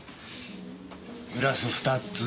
グラス２つ。